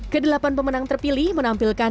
kedelapan pemenang terpilih menampilkan